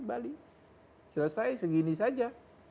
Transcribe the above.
bali selesai segini saja